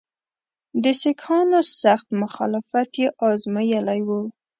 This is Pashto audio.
د سیکهانو سخت مخالفت یې آزمېیلی وو.